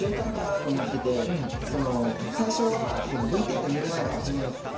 最初はＶＴＲ見る前は自分猫系かなと。